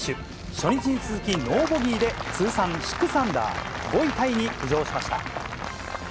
初日に続き、ノーボギーで通算６アンダー、５位タイに浮上しました。